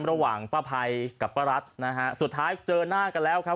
ระหว่างป้าภัยกับป้ารัฐนะฮะสุดท้ายเจอหน้ากันแล้วครับ